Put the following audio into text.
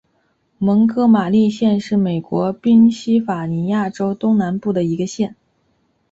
蒙哥马利县是美国宾夕法尼亚州东南部的一个县。